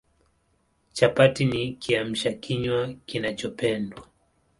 Chapati ni Kiamsha kinywa kinachopendwa